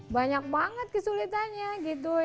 banyak banget kesulitannya gitu